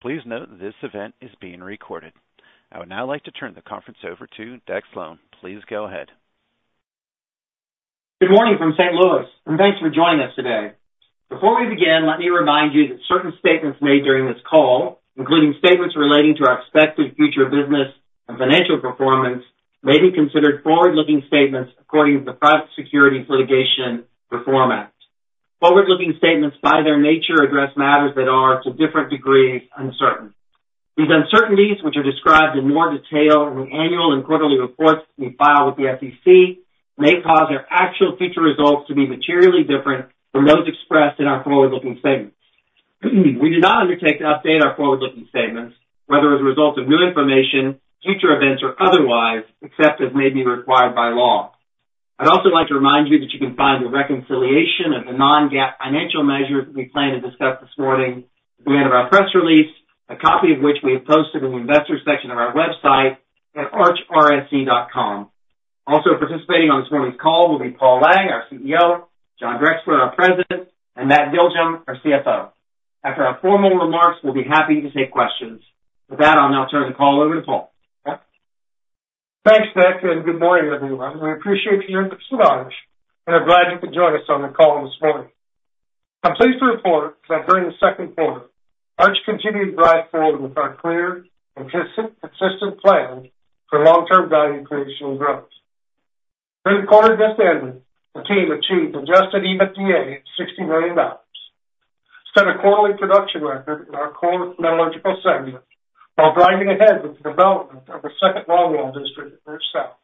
Please note that this event is being recorded. I would now like to turn the conference over to Deck Slone. Please go ahead. Good morning from St. Louis, and thanks for joining us today. Before we begin, let me remind you that certain statements made during this call, including statements relating to our expected future business and financial performance, may be considered forward-looking statements according to the Private Securities Litigation Reform Act. Forward-looking statements, by their nature, address matters that are, to different degrees, uncertain. These uncertainties, which are described in more detail in the annual and quarterly reports we file with the SEC, may cause our actual future results to be materially different from those expressed in our forward-looking statements. We do not undertake to update our forward-looking statements, whether as a result of new information, future events, or otherwise, except as may be required by law. I'd also like to remind you that you can find a reconciliation of the non-GAAP financial measures that we plan to discuss this morning at the end of our press release, a copy of which we have posted in the investor section of our website at archrsc.com. Also, participating on this morning's call will be Paul Lang, our CEO, John Drexler, our President, and Matt Giljum, our CFO. After our formal remarks, we'll be happy to take questions. With that, I'll now turn the call over to Paul. Thanks, Deck, and good morning, everyone. We appreciate your enthusiasm and are glad you could join us on the call this morning. I'm pleased to report that during the second quarter, Arch continued to drive forward with our clear, consistent plan for long-term value creation and growth. During the quarter just ended, the team achieved an adjusted EBITDA of $60 million. Set a quarterly production record in our core metallurgical segment while driving ahead with the development of our second longwall district at Leer South,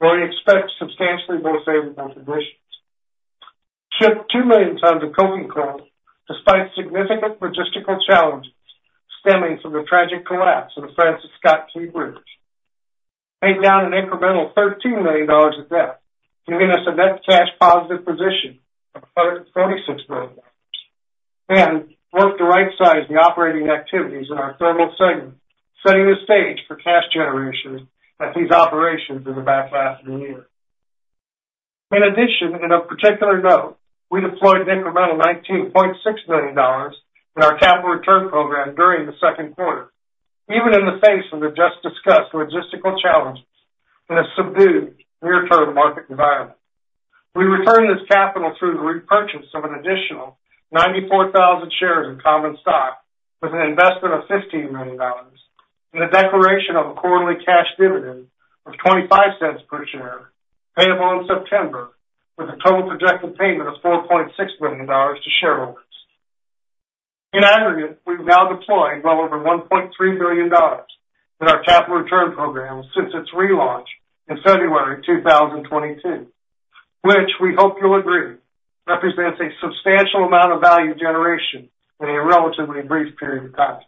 where we expect substantially more favorable conditions. Shipped 2 million tons of coking coal, despite significant logistical challenges stemming from the tragic collapse of the Francis Scott Key Bridge, paid down an incremental $13 million of debt, giving us a net cash-positive position of $146 million, and worked to right-size the operating activities in our thermal segment, setting the stage for cash generation at these operations in the back half of the year. In addition, and of particular note, we deployed an incremental $19.6 million in our capital return program during the second quarter, even in the face of the just-discussed logistical challenges in a subdued near-term market environment. We returned this capital through the repurchase of an additional 94,000 shares of common stock with an investment of $15 million, and the declaration of a quarterly cash dividend of $0.25 per share, payable in September, with a total projected payment of $4.6 million to shareholders. In aggregate, we've now deployed well over $1.3 billion in our capital return program since its relaunch in February 2022, which, we hope you'll agree, represents a substantial amount of value generation in a relatively brief period of time.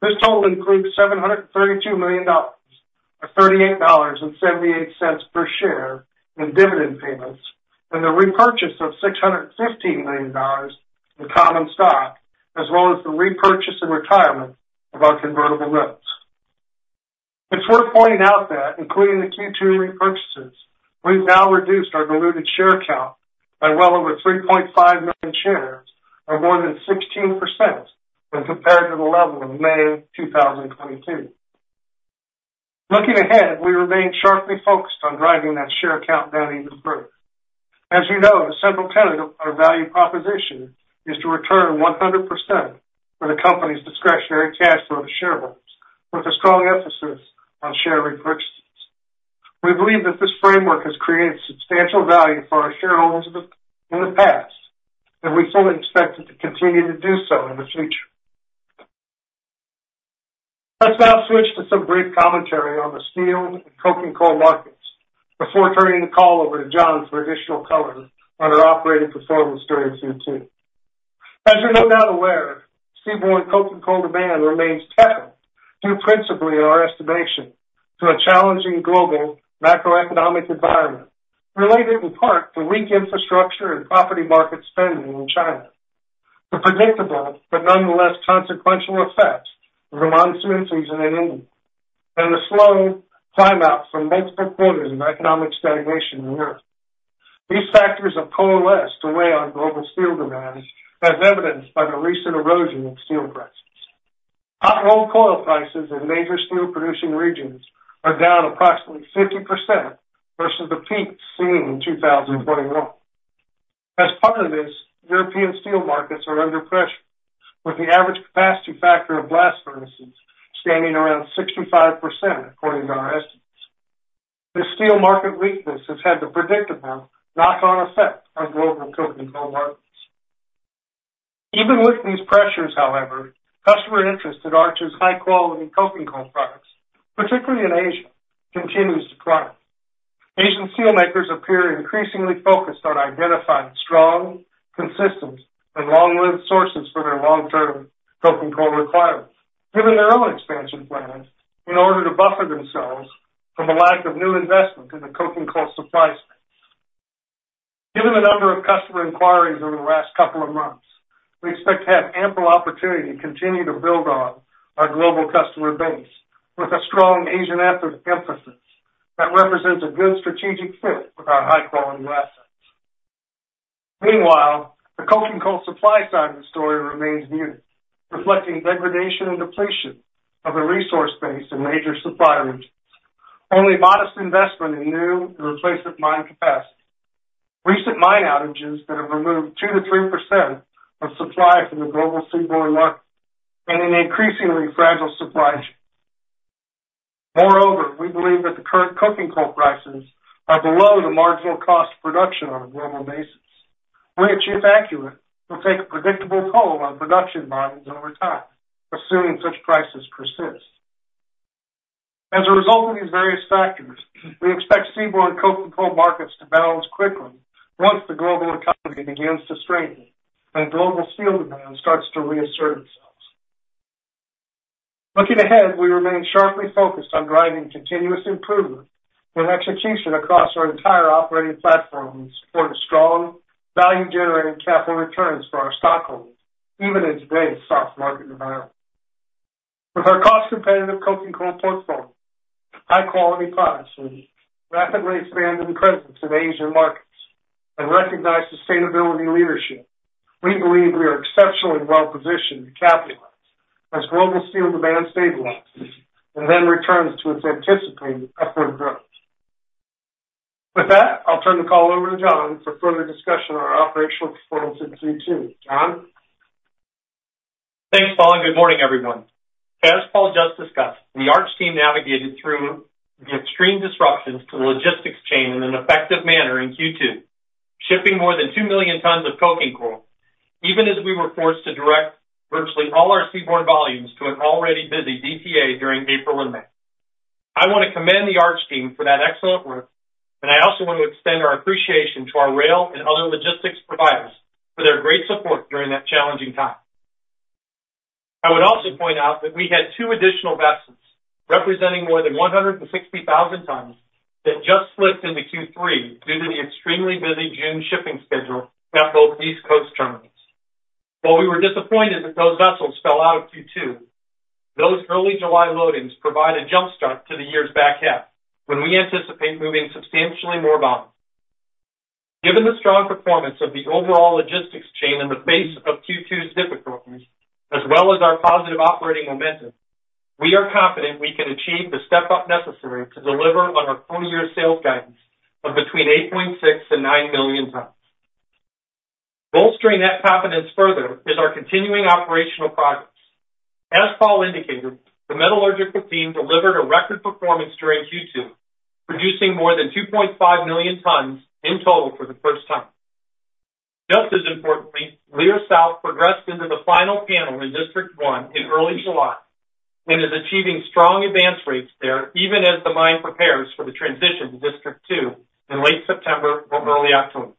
This total includes $732 million, or $38.78 per share in dividend payments, and the repurchase of $615 million in common stock, as well as the repurchase and retirement of our convertible notes. It's worth pointing out that, including the Q2 repurchases, we've now reduced our diluted share count by well over 3.5 million shares, or more than 16%, when compared to the level of May 2022. Looking ahead, we remain sharply focused on driving that share count down even further. As you know, the central tenet of our value proposition is to return 100% for the company's discretionary cash flow to shareholders, with a strong emphasis on share repurchases. We believe that this framework has created substantial value for our shareholders in the past, and we fully expect it to continue to do so in the future. Let's now switch to some brief commentary on the steel and coking coal markets before turning the call over to John for additional color on our operating performance during Q2. As you're no doubt aware, steel and coking coal demand remains tepid due principally in our estimation to a challenging global macroeconomic environment related in part to weak infrastructure and property market spending in China, the predictable but nonetheless consequential effects of the monsoon season in India, and the slow clim out from multiple quarters of economic stagnation in Europe. These factors have coalesced to weigh on global steel demand, as evidenced by the recent erosion of steel prices. Hot rolled coil prices in major steel-producing regions are down approximately 50% versus the peak seen in 2021. As part of this, European steel markets are under pressure, with the average capacity factor of blast furnaces standing around 65%, according to our estimates. This steel market weakness has had the predictable knock-on effect on global coking coal markets. Even with these pressures, however, customer interest in Arch's high-quality coking coal products, particularly in Asia, continues to climb. Asian steelmakers appear increasingly focused on identifying strong, consistent, and long-lived sources for their long-term coking coal requirements, given their own expansion plans in order to buffer themselves from a lack of new investment in the coking coal supply space. Given the number of customer inquiries over the last couple of months, we expect to have ample opportunity to continue to build on our global customer base with a strong Asian export emphasis that represents a good strategic fit with our high-quality assets. Meanwhile, the coking coal supply side of the story remains muted, reflecting degradation and depletion of the resource base in major supply regions, only modest investment in new and replacement mine capacity, recent mine outages that have removed 2%-3% of supply from the global seaborne market, and an increasingly fragile supply chain. Moreover, we believe that the current coking coal prices are below the marginal cost of production on a global basis, which, if accurate, will take a predictable toll on production volumes over time, assuming such prices persist. As a result of these various factors, we expect seaborne coking coal markets to bounce quickly once the global economy begins to strengthen and global steel demand starts to reassert itself. Looking ahead, we remain sharply focused on driving continuous improvement and execution across our entire operating platform to support strong, value-generating capital returns for our stockholders, even in today's soft market environment. With our cost-competitive coking coal portfolio, high-quality products, and rapidly expanding presence in Asian markets, and recognized sustainability leadership, we believe we are exceptionally well-positioned to capitalize as global steel demand stabilizes and then returns to its anticipated upward growth. With that, I'll turn the call over to John for further discussion on our operational performance in Q2. John? Thanks, Paul, and good morning, everyone. As Paul just discussed, the Arch team navigated through the extreme disruptions to the logistics chain in an effective manner in Q2, shipping more than 2 million tons of coking coal, even as we were forced to direct virtually all our seaborne volumes to an already busy DTA during April and May. I want to commend the Arch team for that excellent work, and I also want to extend our appreciation to our rail and other logistics providers for their great support during that challenging time. I would also point out that we had two additional vessels representing more than 160,000 tons that just slipped into Q3 due to the extremely busy June shipping schedule at both East Coast terminals. While we were disappointed that those vessels fell out of Q2, those early July loadings provide a jumpstart to the year's back half, when we anticipate moving substantially more volume. Given the strong performance of the overall logistics chain in the face of Q2's difficulties, as well as our positive operating momentum, we are confident we can achieve the step-up necessary to deliver on our four-year sales guidance of between 8.6 and 9 million tons. Bolstering that confidence further is our continuing operational progress. As Paul indicated, the metallurgical team delivered a record performance during Q2, producing more than 2.5 million tons in total for the first time. Just as importantly, Leer South progressed into the final panel in District 1 in early July and is achieving strong advance rates there even as the mine prepares for the transition to District 2 in late September or early October.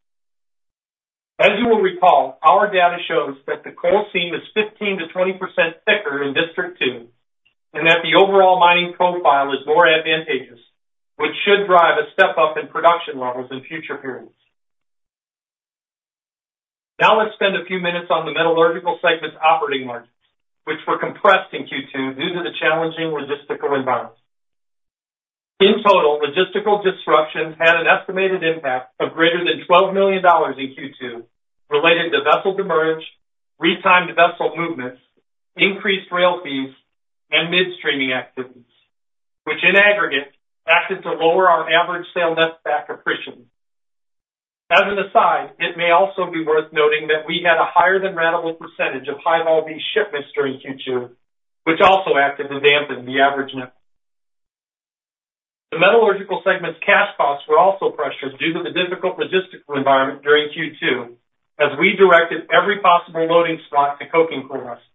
As you will recall, our data shows that the coal seam is 15%-20% thicker in District 2 and that the overall mining profile is more advantageous, which should drive a step-up in production levels in future periods. Now let's spend a few minutes on the metallurgical segment's operating margins, which were compressed in Q2 due to the challenging logistical environment. In total, logistical disruptions had an estimated impact of greater than $12 million in Q2 related to vessel demurrage, retimed vessel movements, increased rail fees, and midstream activities, which in aggregate acted to lower our average sales netback realization. As an aside, it may also be worth noting that we had a higher than normal percentage of High-Vol shipments during Q2, which also acted to dampen the average netback. The metallurgical segment's cash costs were also pressured due to the difficult logistical environment during Q2, as we directed every possible loading spot to coking coal vessels.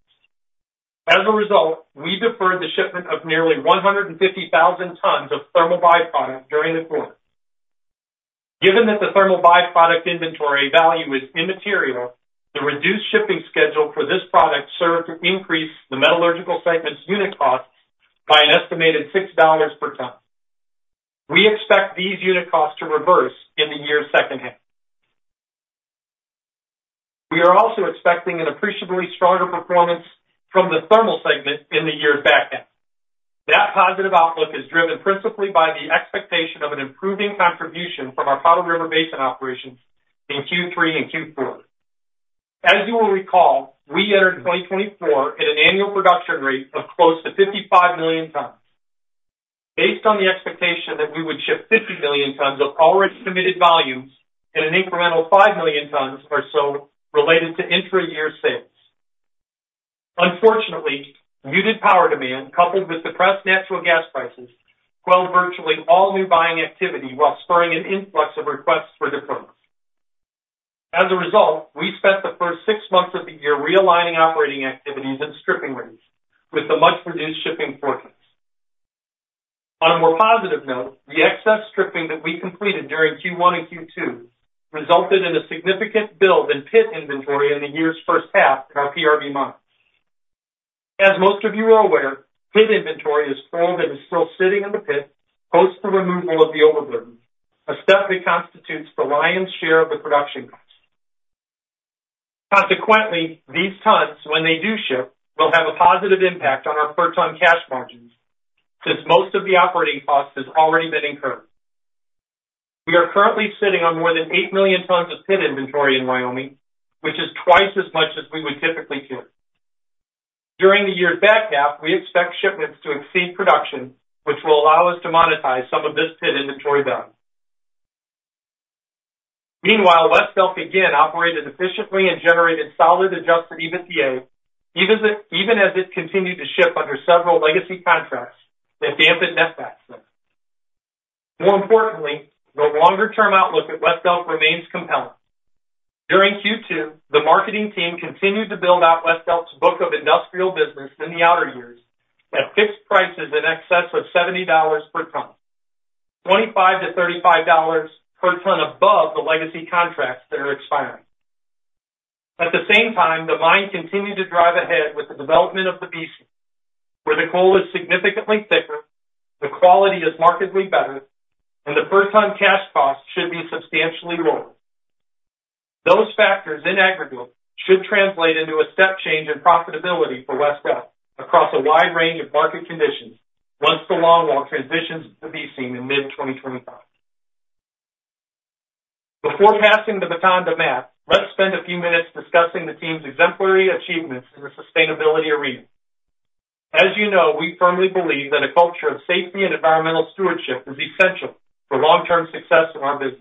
As a result, we deferred the shipment of nearly 150,000 tons of thermal byproduct during the quarter. Given that the thermal byproduct inventory value is immaterial, the reduced shipping schedule for this product served to increase the metallurgical segment's unit cost by an estimated $6 per ton. We expect these unit costs to reverse in the year's second half. We are also expecting an appreciably stronger performance from the thermal segment in the year's back half. That positive outlook is driven principally by the expectation of an improving contribution from our Powder River Basin operations in Q3 and Q4. As you will recall, we entered 2024 at an annual production rate of close to 55 million tons, based on the expectation that we would ship 50 million tons of already committed volumes and an incremental 5 million tons or so related to intra-year sales. Unfortunately, muted power demand, coupled with depressed natural gas prices, quelled virtually all new buying activity while spurring an influx of requests for deployments. As a result, we spent the first six months of the year realigning operating activities and stripping rates, with a much-reduced shipping forecast. On a more positive note, the excess stripping that we completed during Q1 and Q2 resulted in a significant build in pit inventory in the year's first half in our PRB mines. As most of you are aware, pit inventory is filled and is still sitting in the pit post the removal of the overburden, a step that constitutes the lion's share of the production cost. Consequently, these tons, when they do ship, will have a positive impact on our per-ton cash margins since most of the operating cost has already been incurred. We are currently sitting on more than 8 million tons of pit inventory in Wyoming, which is twice as much as we would typically carry. During the year's back half, we expect shipments to exceed production, which will allow us to monetize some of this pit inventory value. Meanwhile, West Elk again operated efficiently and generated solid adjusted EBITDA, even as it continued to ship under several legacy contracts that dampened netback. More importantly, the longer-term outlook at West Elk remains compelling. During Q2, the marketing team continued to build out West Elk's book of industrial business in the outer years at fixed prices in excess of $70 per ton, $25-$35 per ton above the legacy contracts that are expiring. At the same time, the mine continued to drive ahead with the development of the B Seam, where the coal is significantly thicker, the quality is markedly better, and the per-ton cash cost should be substantially lower. Those factors, in aggregate, should translate into a step change in profitability for West Elk across a wide range of market conditions once the longwall transitions to B Seam in mid-2025. Before passing the baton to Matt, let's spend a few minutes discussing the team's exemplary achievements in the sustainability arena. As you know, we firmly believe that a culture of safety and environmental stewardship is essential for long-term success in our business.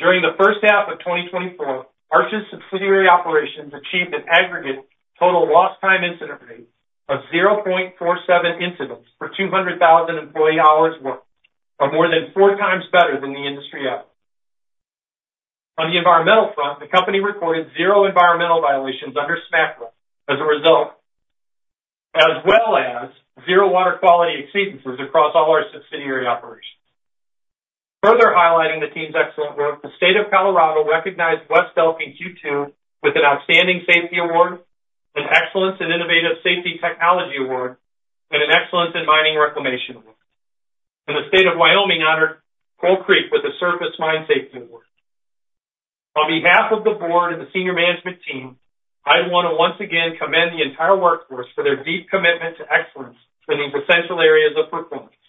During the first half of 2024, Arch's subsidiary operations achieved an aggregate total lost-time incident rate of 0.47 incidents per 200,000 employee hours worked, or more than four times better than the industry average. On the environmental front, the company recorded zero environmental violations under SMCRA as a result, as well as zero water quality exceedances across all our subsidiary operations. Further highlighting the team's excellent work, the State of Colorado recognized West Elk in Q2 with an Outstanding Safety Award, an Excellence in Innovative Safety Technology Award, and an Excellence in Mining Reclamation Award. And the State of Wyoming honored Coal Creek with a Surface Mine Safety Award. On behalf of the board and the senior management team, I want to once again commend the entire workforce for their deep commitment to excellence in these essential areas of performance.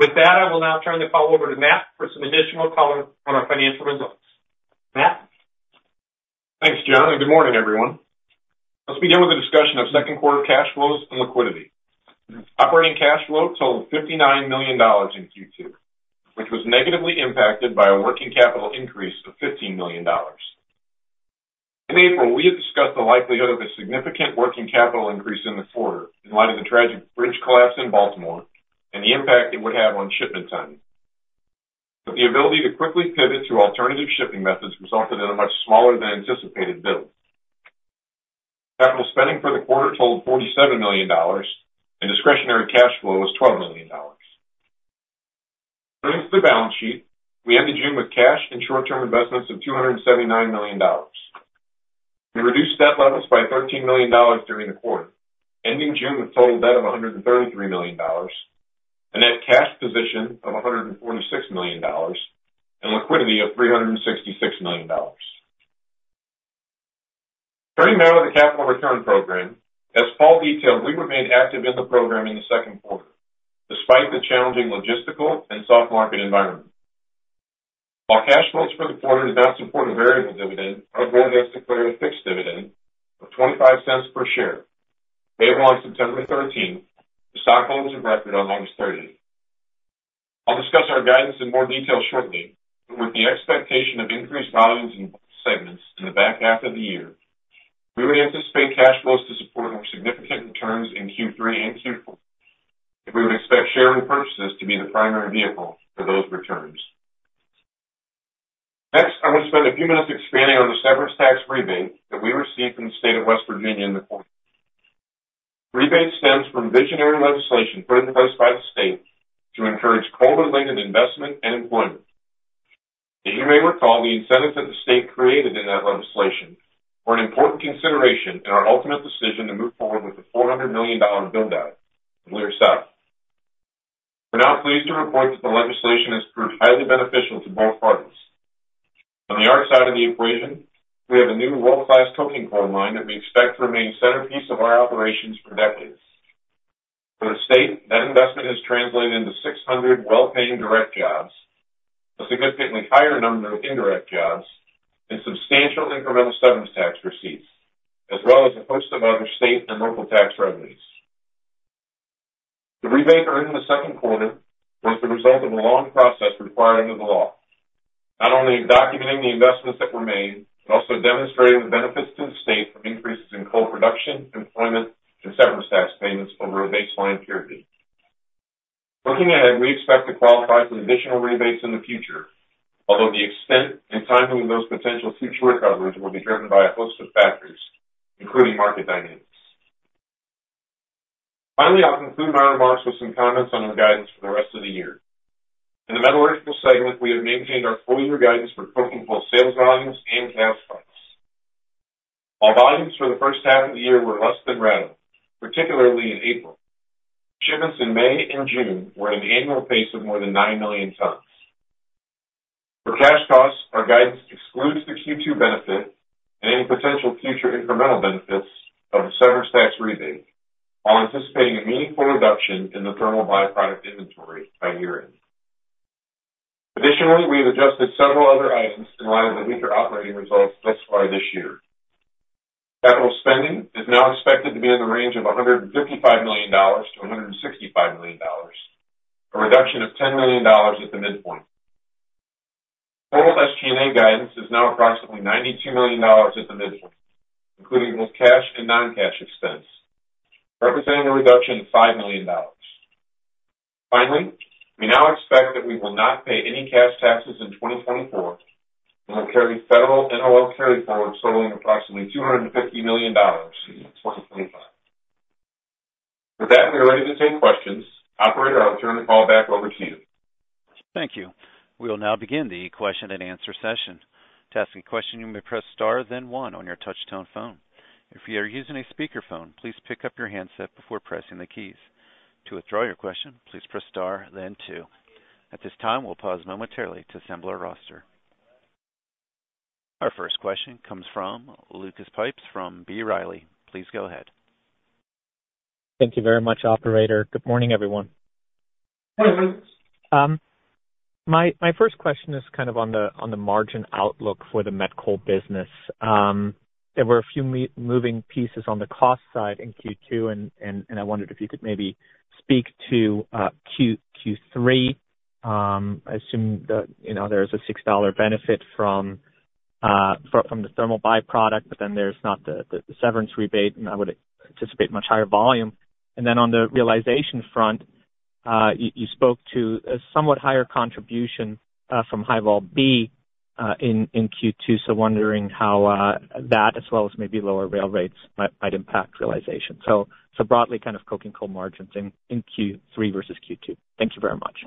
With that, I will now turn the call over to Matt for some additional color on our financial results. Matt. Thanks, John, and good morning, everyone. Let's begin with a discussion of second quarter cash flows and liquidity. Operating cash flow totaled $59 million in Q2, which was negatively impacted by a working capital increase of $15 million. In April, we had discussed the likelihood of a significant working capital increase in the quarter in light of the tragic bridge collapse in Baltimore and the impact it would have on shipment timing. But the ability to quickly pivot to alternative shipping methods resulted in a much smaller-than-anticipated build. Capital spending for the quarter totaled $47 million, and discretionary cash flow was $12 million. According to the balance sheet, we ended June with cash and short-term investments of $279 million. We reduced debt levels by $13 million during the quarter, ending June with total debt of $133 million, a net cash position of $146 million, and liquidity of $366 million. Turning now to the capital return program, as Paul detailed, we remained active in the program in the second quarter, despite the challenging logistical and soft market environment. While cash flows for the quarter did not support a variable dividend, our board has declared a fixed dividend of $0.25 per share, payable on September 13, to stockholders of record on August 30. I'll discuss our guidance in more detail shortly, but with the expectation of increased volumes in both segments in the back half of the year, we would anticipate cash flows to support more significant returns in Q3 and Q4, and we would expect share repurchases to be the primary vehicle for those returns. Next, I want to spend a few minutes expanding on the severance tax rebate that we received from the State of West Virginia in the quarter. Rebate stems from visionary legislation put in place by the state to encourage coal-related investment and employment. As you may recall, the incentives that the state created in that legislation were an important consideration in our ultimate decision to move forward with the $400 million build-out of Leer South. We're now pleased to report that the legislation has proved highly beneficial to both parties. On the Arch side of the equation, we have a new world-class coking coal mine that we expect to remain the centerpiece of our operations for decades. For the state, that investment has translated into 600 well-paying direct jobs, a significantly higher number of indirect jobs, and substantial incremental severance tax receipts, as well as a host of other state and local tax revenues. The rebate earned in the second quarter was the result of a long process required under the law, not only documenting the investments that were made but also demonstrating the benefits to the state from increases in coal production, employment, and severance tax payments over a baseline period. Looking ahead, we expect to qualify for additional rebates in the future, although the extent and timing of those potential future recoveries will be driven by a host of factors, including market dynamics. Finally, I'll conclude my remarks with some comments on our guidance for the rest of the year. In the metallurgical segment, we have maintained our four-year guidance for coking coal sales volumes and cash costs. While volumes for the first half of the year were less than planned, particularly in April, shipments in May and June were at an annual pace of more than 9 million tons. For cash costs, our guidance excludes the Q2 benefit and any potential future incremental benefits of the severance tax rebate, while anticipating a meaningful reduction in the thermal byproduct inventory by year-end. Additionally, we have adjusted several other items in light of the weaker operating results thus far this year. Capital spending is now expected to be in the range of $155 million-$165 million, a reduction of $10 million at the midpoint. Total SG&A guidance is now approximately $92 million at the midpoint, including both cash and non-cash expense, representing a reduction of $5 million. Finally, we now expect that we will not pay any cash taxes in 2024 and will carry federal NOL carry forward totaling approximately $250 million in 2025. With that, we are ready to take questions. Operator, I'll turn the call back over to you. Thank you. We will now begin the question and answer session. To ask a question, you may press star, then one on your touch-tone phone. If you are using a speakerphone, please pick up your handset before pressing the keys. To withdraw your question, please press star, then two. At this time, we'll pause momentarily to assemble our roster. Our first question comes from Lucas Pipes from B. Riley. Please go ahead. Thank you very much, Operator. Good morning, everyone. Morning, everyone. My first question is kind of on the margin outlook for the met coal business. There were a few moving pieces on the cost side in Q2, and I wondered if you could maybe speak to Q3. I assume there is a $6 benefit from the thermal byproduct, but then there's not the severance rebate, and I would anticipate much higher volume. And then on the realization front, you spoke to a somewhat higher contribution from High-Vol B in Q2, so wondering how that, as well as maybe lower rail rates, might impact realization. So broadly, kind of coking coal margins in Q3 versus Q2. Thank you very much.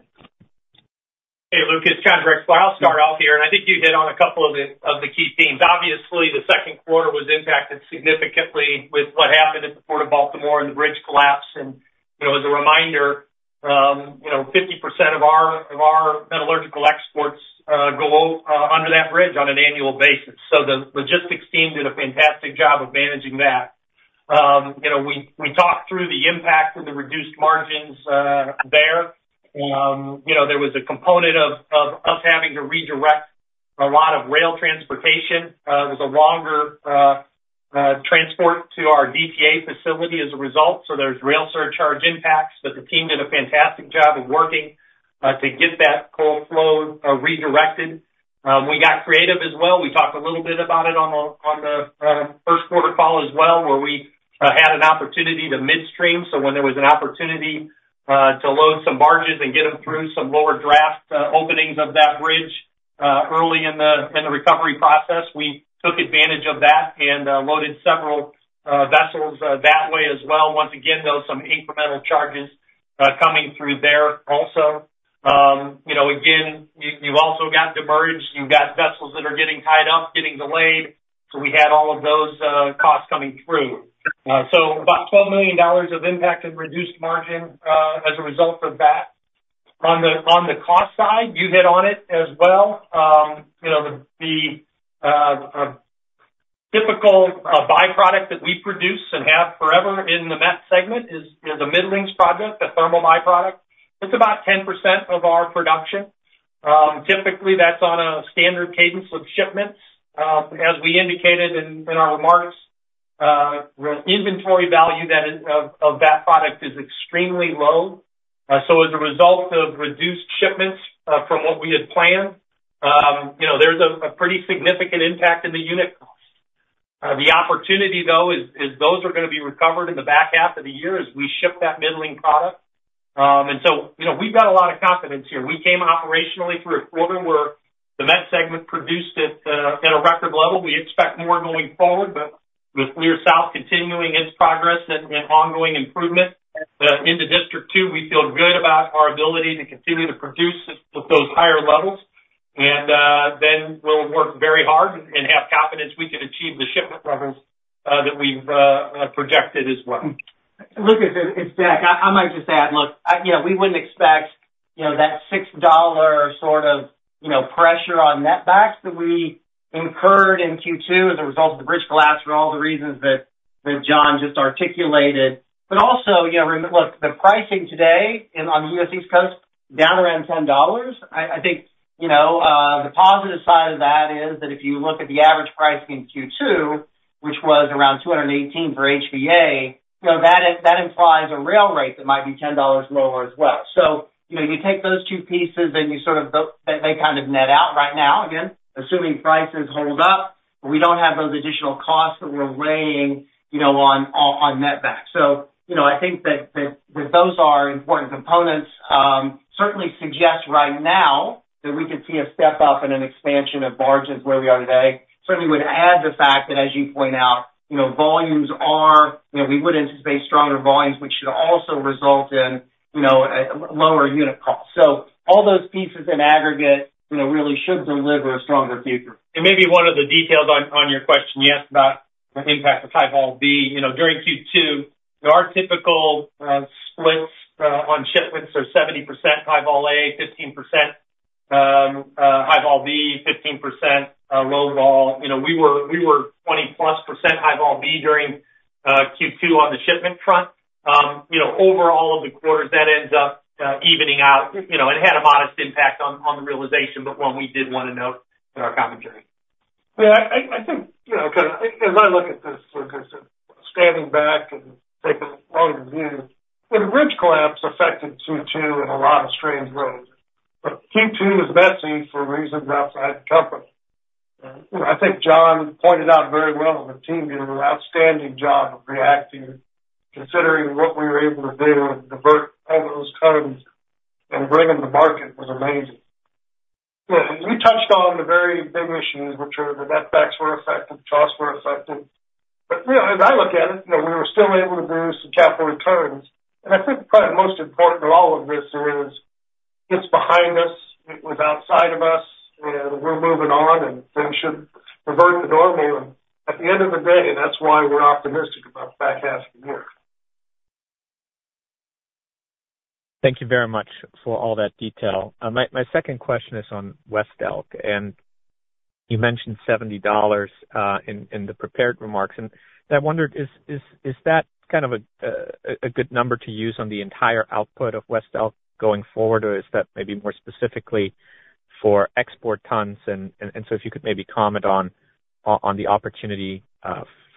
Hey, Lucas. John Drexler, I'll start off here. I think you hit on a couple of the key themes. Obviously, the second quarter was impacted significantly with what happened at the Port of Baltimore and the bridge collapse. As a reminder, 50% of our metallurgical exports go under that bridge on an annual basis. The logistics team did a fantastic job of managing that. We talked through the impact of the reduced margins there. There was a component of us having to redirect a lot of rail transportation. It was a longer transport to our DTA facility as a result, so there's rail surcharge impacts. The team did a fantastic job of working to get that coal flow redirected. We got creative as well. We talked a little bit about it on the first quarter call as well, where we had an opportunity to midstream. So when there was an opportunity to load some barges and get them through some lower draft openings of that bridge early in the recovery process, we took advantage of that and loaded several vessels that way as well. Once again, there were some incremental charges coming through there also. Again, you've also got the bridge. You've got vessels that are getting tied up, getting delayed. So we had all of those costs coming through. So about $12 million of impact and reduced margin as a result of that. On the cost side, you hit on it as well. The typical byproduct that we produce and have forever in the met segment is a middlings product, a thermal byproduct. It's about 10% of our production. Typically, that's on a standard cadence of shipments. As we indicated in our remarks, the inventory value of that product is extremely low. So as a result of reduced shipments from what we had planned, there's a pretty significant impact in the unit cost. The opportunity, though, is those are going to be recovered in the back half of the year as we ship that middlings product. And so we've got a lot of confidence here. We came operationally through a quarter where the met segment produced at a record level. We expect more going forward, but with Leer South continuing its progress and ongoing improvement into District 2, we feel good about our ability to continue to produce at those higher levels. And then we'll work very hard and have confidence we can achieve the shipment levels that we've projected as well. Lucas, it's Deck. I might just add, look, yeah, we wouldn't expect that $6 sort of pressure on netback that we incurred in Q2 as a result of the bridge collapse for all the reasons that John just articulated. But also, look, the pricing today on the U.S. East Coast, down around $10. I think the positive side of that is that if you look at the average pricing in Q2, which was around $218 for HVA, that implies a rail rate that might be $10 lower as well. So you take those two pieces and you sort of they kind of net out right now, again, assuming prices hold up, but we don't have those additional costs that we're weighing on netback. So I think that those are important components. Certainly suggest right now that we could see a step up and an expansion of margins where we are today. Certainly would add the fact that, as you point out, volumes, we would anticipate stronger volumes, which should also result in lower unit costs. So all those pieces in aggregate really should deliver a stronger future. And maybe one of the details on your question you asked about the impact of High-Vol B. During Q2, our typical splits on shipments are 70% High-Vol A, 15% High-Vol B, 15% Low-Vol. We were 20+% High-Vol B during Q2 on the shipment front. Overall, over the quarter, that ends up evening out and had a modest impact on the realization, but one we did want to note in our commentary. Yeah, I think, as I look at this, Lucas, standing back and taking a longer view, when the bridge collapse affected Q2 in a lot of strange ways, but Q2 was messy for reasons outside the company. I think John pointed out very well that the team did an outstanding job of reacting, considering what we were able to do and divert all those tons and bring them to market was amazing. You touched on the very big issues, which are the netback were affected, costs were affected. But as I look at it, we were still able to produce some capital returns. And I think probably the most important of all of this is it's behind us, it was outside of us, and we're moving on, and things should revert to normal. At the end of the day, that's why we're optimistic about the back half of the year. Thank you very much for all that detail. My second question is on West Elk, and you mentioned $70 in the prepared remarks. I wondered, is that kind of a good number to use on the entire output of West Elk going forward, or is that maybe more specifically for export tons? So if you could maybe comment on the opportunity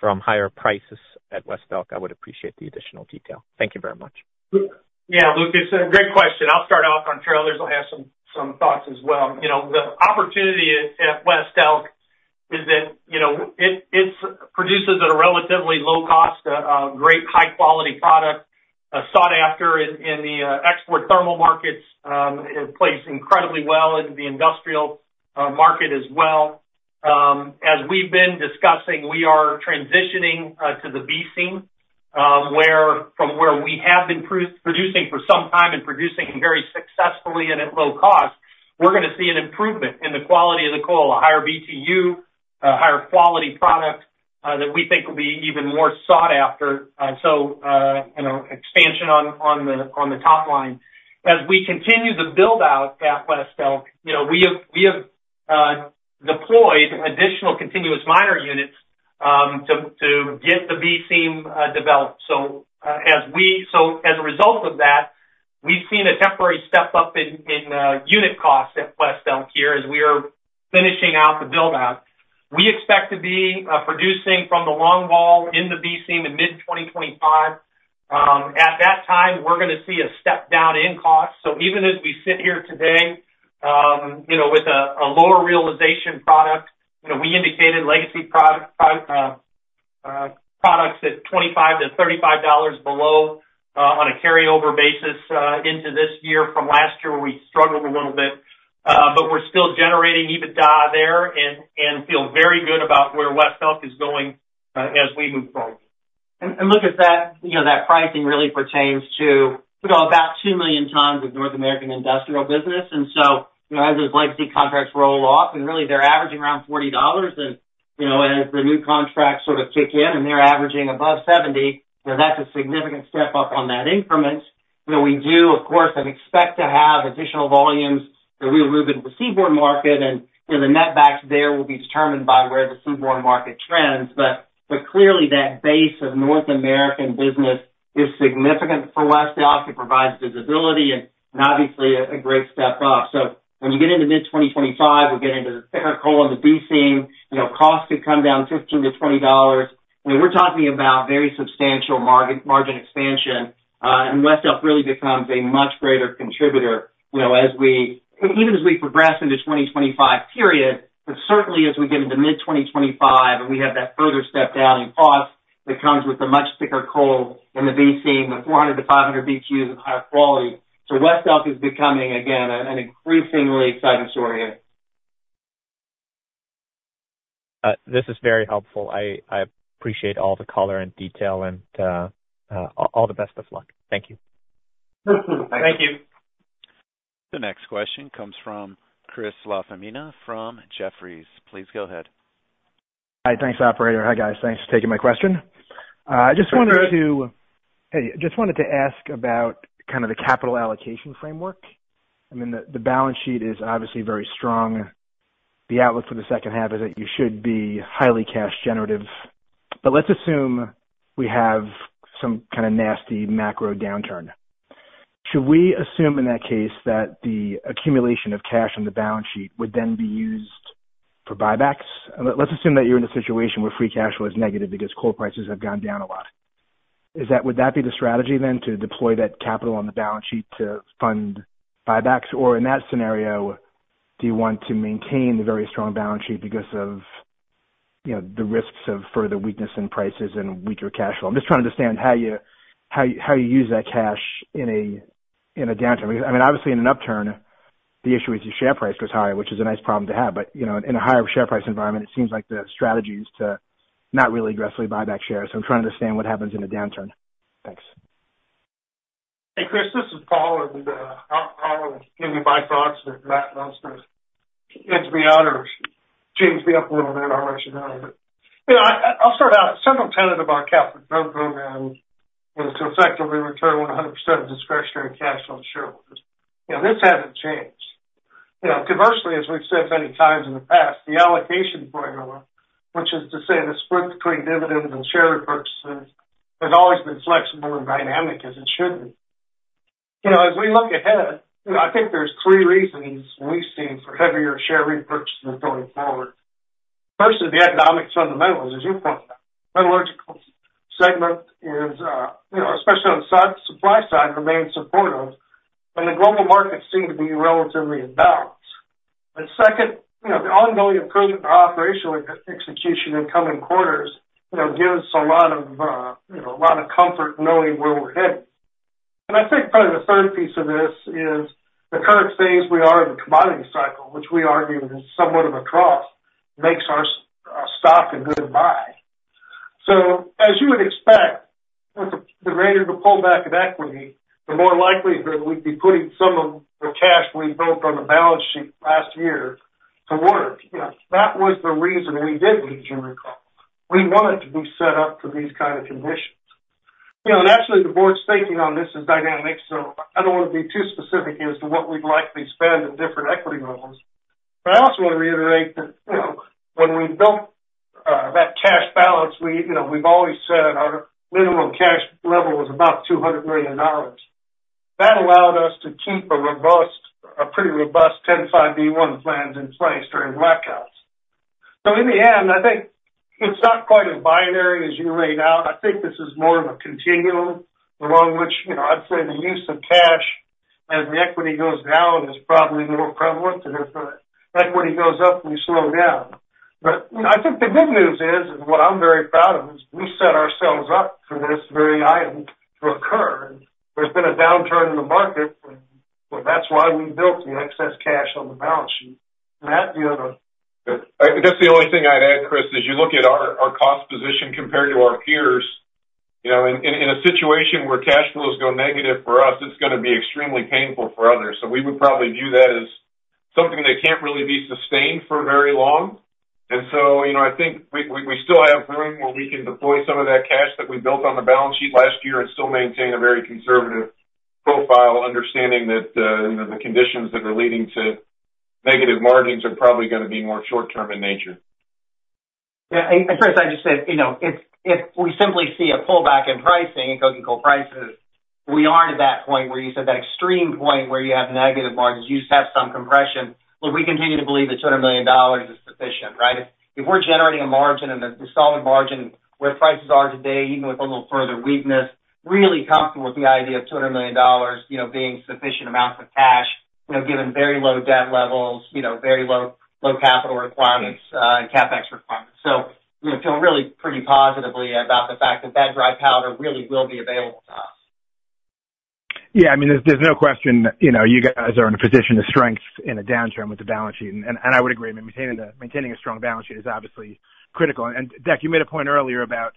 from higher prices at West Elk, I would appreciate the additional detail. Thank you very much. Yeah, Lucas, great question. I'll start off on thermal. I'll have some thoughts as well. The opportunity at West Elk is that it produces at a relatively low cost, a great high-quality product, sought after in the export thermal markets. It plays incredibly well in the industrial market as well. As we've been discussing, we are transitioning to the B Seam, from where we have been producing for some time and producing very successfully and at low cost. We're going to see an improvement in the quality of the coal, a higher BTU, a higher quality product that we think will be even more sought after. So expansion on the top line. As we continue to build out at West Elk, we have deployed additional continuous miner units to get the B Seam developed. So as a result of that, we've seen a temporary step up in unit costs at West Elk here as we are finishing out the build-out. We expect to be producing from the longwall in the B Seam in mid-2025. At that time, we're going to see a step down in cost. So even as we sit here today with a lower realization product, we indicated legacy products at $25-$35 below on a carryover basis into this year from last year where we struggled a little bit. But we're still generating EBITDA there and feel very good about where West Elk is going as we move forward. And Lucas, that pricing really pertains to about 2 million tons of North American industrial business. So as those legacy contracts roll off, and really they're averaging around $40, and as the new contracts sort of kick in and they're averaging above $70, that's a significant step up on that increment. We do, of course, expect to have additional volumes that we will move into the seaborne market, and the netback there will be determined by where the seaborne market trends. Clearly, that base of North American business is significant for West Elk. It provides visibility and obviously a great step up. When you get into mid-2025, we get into the thicker coal in the B Seam, costs could come down $15-$20. We're talking about very substantial margin expansion, and West Elk really becomes a much greater contributor even as we progress into the 2025 period. But certainly, as we get into mid-2025 and we have that further step down in cost that comes with a much thicker coal in the B Seam, the 400-500 BTUs of higher quality. So West Elk is becoming, again, an increasingly exciting story here. This is very helpful. I appreciate all the color and detail and all the best of luck. Thank you. Thank you. The next question comes from Chris LaFemina from Jefferies. Please go ahead. Hi, thanks, Operator. Hi guys. Thanks for taking my question. I just wanted to ask about kind of the capital allocation framework. I mean, the balance sheet is obviously very strong. The outlook for the second half is that you should be highly cash generative. But let's assume we have some kind of nasty macro downturn. Should we assume in that case that the accumulation of cash on the balance sheet would then be used for buybacks? Let's assume that you're in a situation where free cash flow is negative because coal prices have gone down a lot. Would that be the strategy then to deploy that capital on the balance sheet to fund buybacks? Or in that scenario, do you want to maintain the very strong balance sheet because of the risks of further weakness in prices and weaker cash flow? I'm just trying to understand how you use that cash in a downturn. I mean, obviously, in an upturn, the issue is your share price goes higher, which is a nice problem to have. But in a higher share price environment, it seems like the strategy is to not really aggressively buy back shares. So I'm trying to understand what happens in a downturn. Thanks. Hey, Chris, this is Paul. I'll give you my thoughts that Matt mentioned. It's beyond our control. Let me change it up a little bit on our rationale. I'll start out. Central tenet of our capital program is to effectively return 100% of discretionary cash to shareholders. This hasn't changed. Conversely, as we've said many times in the past, the allocation formula, which is to say the split between dividends and share repurchases, has always been flexible and dynamic as it should be. As we look ahead, I think there's three reasons we've seen for heavier share repurchases going forward. First, the economic fundamentals, as you pointed out. The metallurgical segment is, especially on the supply side, remains supportive, and the global markets seem to be relatively in balance. And second, the ongoing improvement in operational execution in coming quarters gives a lot of comfort knowing where we're headed. I think probably the third piece of this is the current phase we are in the commodity cycle, which we argue is somewhat of a trough, makes our stock a good buy. So as you would expect, the greater the pullback of equity, the more likely that we'd be putting some of the cash we built on the balance sheet last year to work. That was the reason we did, if you recall. We wanted to be set up for these kinds of conditions. And actually, the board's thinking on this is dynamic, so I don't want to be too specific as to what we'd likely spend at different equity levels. But I also want to reiterate that when we built that cash balance, we've always said our minimum cash level was about $200 million. That allowed us to keep a pretty robust 10b5-1 plans in place during blackouts. So in the end, I think it's not quite a binary as you laid out. I think this is more of a continuum along which I'd say the use of cash as the equity goes down is probably more prevalent than if the equity goes up and we slow down. But I think the good news is, and what I'm very proud of, is we set ourselves up for this very item to occur. And there's been a downturn in the market, and that's why we built the excess cash on the balance sheet. Matt, do you have a? I guess the only thing I'd add, Chris, is you look at our cost position compared to our peers. In a situation where cash flows go negative for us, it's going to be extremely painful for others. So we would probably view that as something that can't really be sustained for very long. And so I think we still have room where we can deploy some of that cash that we built on the balance sheet last year and still maintain a very conservative profile, understanding that the conditions that are leading to negative margins are probably going to be more short-term in nature. Yeah. And Chris, I just said if we simply see a pullback in pricing, in coking coal prices, we aren't at that point where you said that extreme point where you have negative margins, you just have some compression. Look, we continue to believe that $200 million is sufficient, right? If we're generating a margin and a solid margin where prices are today, even with a little further weakness, really comfortable with the idea of $200 million being sufficient amounts of cash, given very low debt levels, very low capital requirements, and CapEx requirements. So feel really pretty positively about the fact that that dry powder really will be available to us. Yeah. I mean, there's no question you guys are in a position of strength in a downturn with the balance sheet. I would agree. Maintaining a strong balance sheet is obviously critical. Deck, you made a point earlier about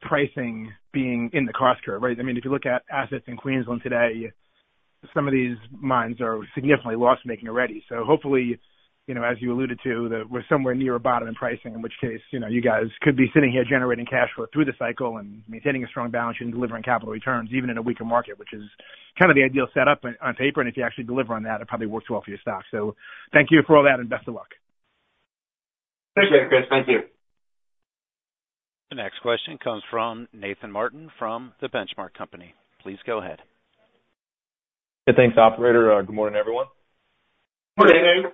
pricing being in the cost curve, right? I mean, if you look at assets in Queensland today, some of these mines are significantly loss-making already. Hopefully, as you alluded to, we're somewhere near a bottom in pricing, in which case you guys could be sitting here generating cash flow through the cycle and maintaining a strong balance sheet and delivering capital returns even in a weaker market, which is kind of the ideal setup on paper. If you actually deliver on that, it probably works well for your stock. Thank you for all that and best of luck. Appreciate it, Chris. Thank you. The next question comes from Nathan Martin from The Benchmark Company. Please go ahead. Hey, thanks, Operator. Good morning, everyone. Good morning, Nathan.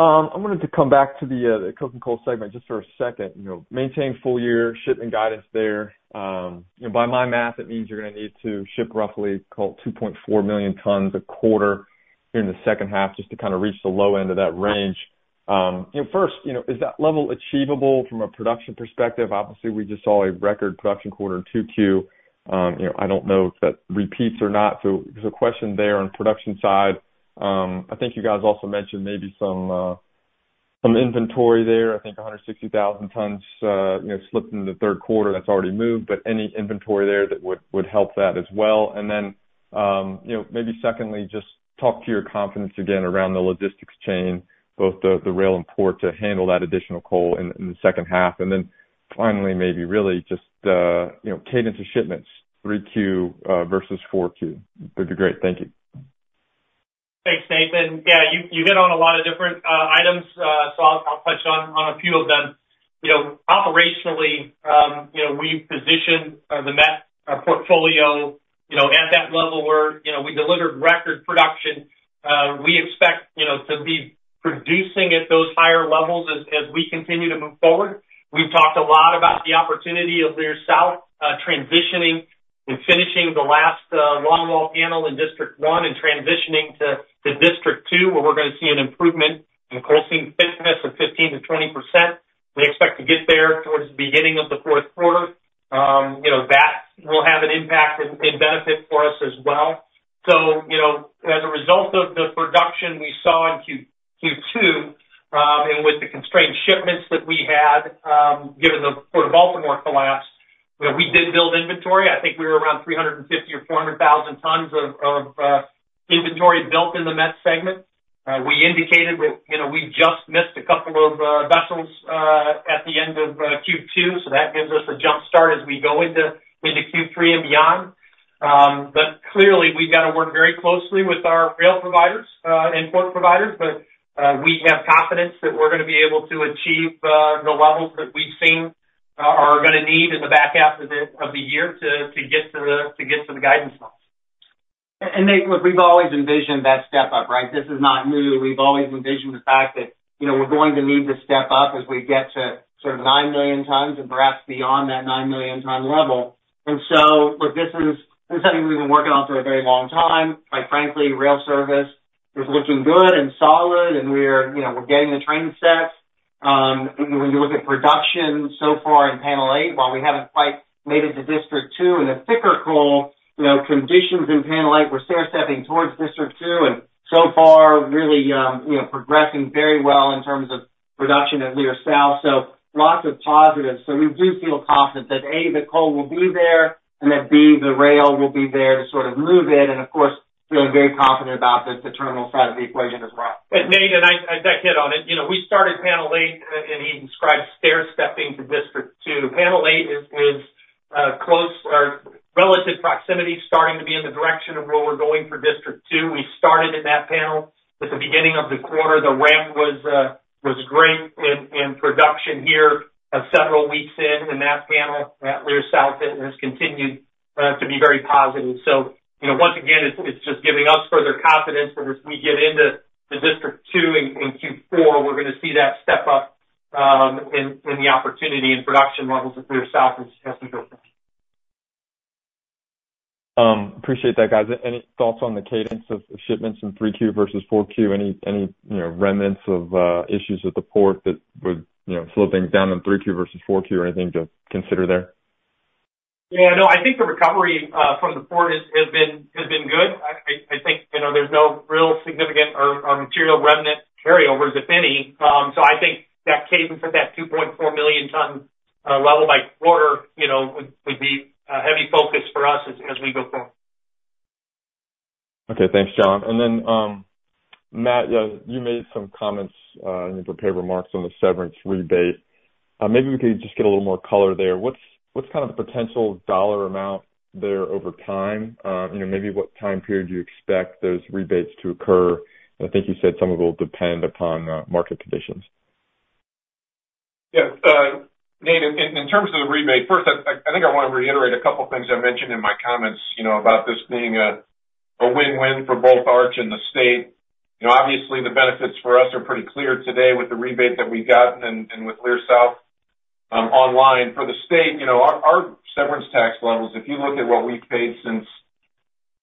I wanted to come back to the coke and coal segment just for a second. Maintain full-year shipment guidance there. By my math, it means you're going to need to ship roughly 2.4 million tons a quarter during the second half just to kind of reach the low end of that range. First, is that level achievable from a production perspective? Obviously, we just saw a record production quarter in 2Q. I don't know if that repeats or not. So there's a question there on the production side. I think you guys also mentioned maybe some inventory there. I think 160,000 tons slipped in the third quarter. That's already moved. But any inventory there that would help that as well. And then maybe secondly, just talk to your confidence again around the logistics chain, both the rail and port to handle that additional coal in the second half. And then finally, maybe really just cadence of shipments, 3Q versus 4Q. That'd be great. Thank you. Thanks, Nathan. Yeah, you hit on a lot of different items, so I'll touch on a few of them. Operationally, we positioned the met portfolio at that level where we delivered record production. We expect to be producing at those higher levels as we continue to move forward. We've talked a lot about the opportunity of Leer South transitioning and finishing the last longwall panel in District 1 and transitioning to District 2, where we're going to see an improvement in coal seam thickness of 15%-20%. We expect to get there towards the beginning of the fourth quarter. That will have an impact and benefit for us as well. So as a result of the production we saw in Q2 and with the constrained shipments that we had given the Port of Baltimore collapse, we did build inventory. I think we were around 350,000 or 400,000 tons of inventory built in the met segment. We indicated we just missed a couple of vessels at the end of Q2, so that gives us a jumpstart as we go into Q3 and beyond. But clearly, we've got to work very closely with our rail providers and port providers, but we have confidence that we're going to be able to achieve the levels that we've seen are going to need in the back half of the year to get to the guidance levels. And look, we've always envisioned that step up, right? This is not new. We've always envisioned the fact that we're going to need to step up as we get to sort of 9 million tons and perhaps beyond that 9 million ton level. And so this is something we've been working on for a very long time. Quite frankly, rail service is looking good and solid, and we're getting the train sets. When you look at production so far in Panel 8, while we haven't quite made it to District 2 and the thicker coal conditions in Panel 8, we're stair-stepping towards District 2 and so far really progressing very well in terms of production at Leer South. So lots of positives. So we do feel confident that, A, the coal will be there, and that, B, the rail will be there to sort of move it. And of course, feeling very confident about the terminal side of the equation as well. But Nathan and I hit on it. We started Panel 8, and he described stair-stepping to District 2. Panel 8 is close or relative proximity starting to be in the direction of where we're going for District 2. We started in that panel at the beginning of the quarter. The ramp was great in production here several weeks in. In that panel at Leer South, it has continued to be very positive. So once again, it's just giving us further confidence that as we get into District 2 and Q4, we're going to see that step up in the opportunity and production levels at Leer South as we go forward. Appreciate that, guys. Any thoughts on the cadence of shipments in 3Q versus 4Q? Any remnants of issues at the port that would slow things down in 3Q versus 4Q or anything to consider there? Yeah. No, I think the recovery from the port has been good. I think there's no real significant material remnant carryovers, if any. So I think that cadence at that 2.4 million ton level by quarter would be a heavy focus for us as we go forward. Okay. Thanks, John. And then, Matt, you made some comments and prepared remarks on the severance rebate. Maybe we could just get a little more color there. What's kind of the potential dollar amount there over time? Maybe what time period do you expect those rebates to occur? And I think you said some of it will depend upon market conditions. Yeah. Nathan, in terms of the rebate, first, I think I want to reiterate a couple of things I mentioned in my comments about this being a win-win for both our and the state. Obviously, the benefits for us are pretty clear today with the rebate that we got and with Leer South online. For the state, our severance tax levels, if you look at what we've paid since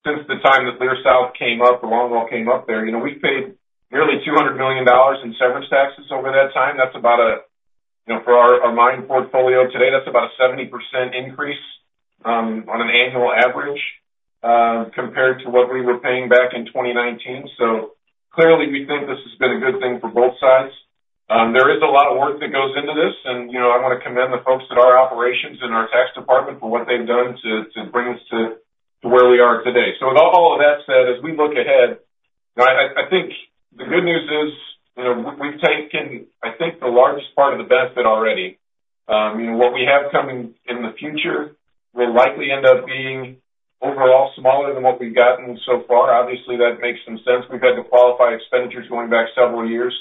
the time that Leer South came up, the longwall came up there, we've paid nearly $200 million in severance taxes over that time. That's about a, for our mine portfolio today, that's about a 70% increase on an annual average compared to what we were paying back in 2019. So clearly, we think this has been a good thing for both sides. There is a lot of work that goes into this, and I want to commend the folks at our operations and our tax department for what they've done to bring us to where we are today. So with all of that said, as we look ahead, I think the good news is we've taken, I think, the largest part of the benefit already. What we have coming in the future will likely end up being overall smaller than what we've gotten so far. Obviously, that makes some sense. We've had to qualify expenditures going back several years,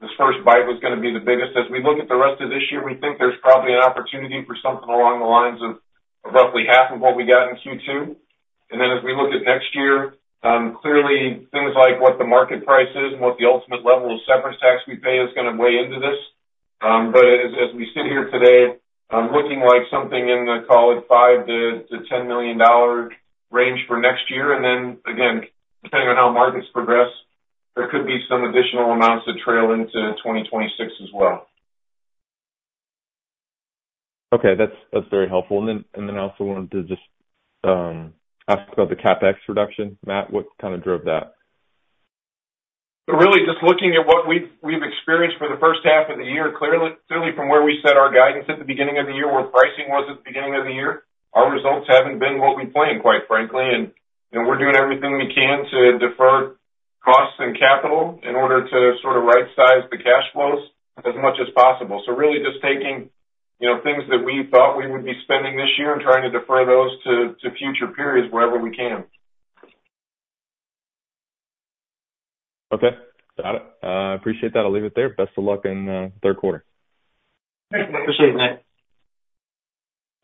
so this first bite was going to be the biggest. As we look at the rest of this year, we think there's probably an opportunity for something along the lines of roughly half of what we got in Q2. Then as we look at next year, clearly, things like what the market price is and what the ultimate level of severance tax we pay is going to weigh into this. But as we sit here today, I'm looking like something in the, call it, $5 million-$10 million range for next year. Then, again, depending on how markets progress, there could be some additional amounts that trail into 2026 as well. Okay. That's very helpful. And then I also wanted to just ask about the CapEx reduction. Matt, what kind of drove that? Really, just looking at what we've experienced for the first half of the year, clearly, from where we set our guidance at the beginning of the year, where pricing was at the beginning of the year, our results haven't been what we planned, quite frankly. We're doing everything we can to defer costs and capital in order to sort of right-size the cash flows as much as possible. Really, just taking things that we thought we would be spending this year and trying to defer those to future periods wherever we can. Okay. Got it. Appreciate that. I'll leave it there. Best of luck in the third quarter. Thank you. Appreciate it, Nathan.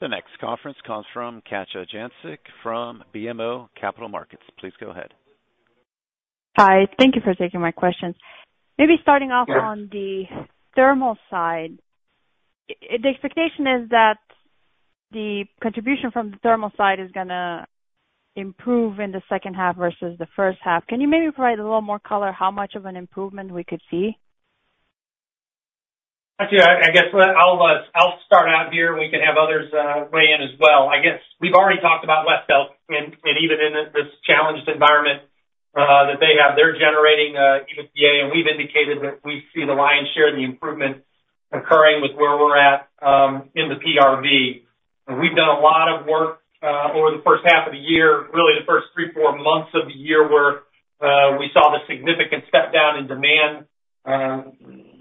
The next conference comes from Katja Jancic from BMO Capital Markets. Please go ahead. Hi. Thank you for taking my questions. Maybe starting off on the thermal side, the expectation is that the contribution from the thermal side is going to improve in the second half versus the first half. Can you maybe provide a little more color how much of an improvement we could see? Actually, I guess I'll start out here, and we can have others weigh in as well. I guess we've already talked about West Elk, and even in this challenged environment that they have, they're generating EBITDA, and we've indicated that we see the lion's share of the improvement occurring with where we're at in the PRB. We've done a lot of work over the first half of the year, really the first three, four months of the year where we saw the significant step down in demand.